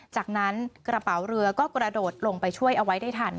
จากนั้นกระเป๋าเรือก็กระโดดลงไปช่วยเอาไว้ได้ทัน